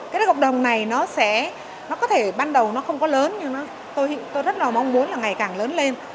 cái gọc đồng này nó có thể ban đầu nó không có lớn nhưng tôi rất mong muốn ngày càng lớn lên